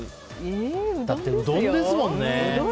だって、うどんですもんね。